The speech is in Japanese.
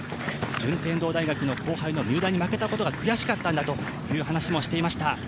順天堂大学の後輩の三浦に負けたことが悔しかったんだという話をしていました。